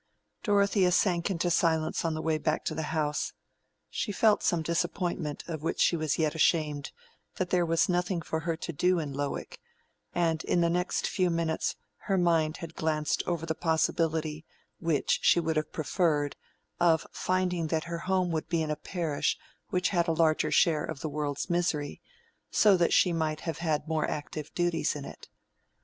Dorothea sank into silence on the way back to the house. She felt some disappointment, of which she was yet ashamed, that there was nothing for her to do in Lowick; and in the next few minutes her mind had glanced over the possibility, which she would have preferred, of finding that her home would be in a parish which had a larger share of the world's misery, so that she might have had more active duties in it.